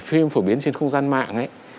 phim phổ biến trên không gian mạng ấy